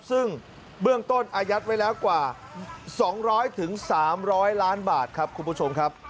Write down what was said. ซึ่งเบื้องต้นอายัดไว้แล้วกว่า๒๐๐๓๐๐ล้านบาทครับคุณผู้ชมครับ